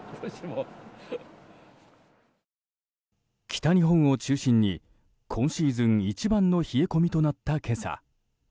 北日本を中心に今シーズン一番の冷え込みとなった今朝。